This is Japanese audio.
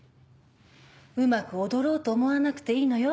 うまく踊ろうと思わなくていいのよ。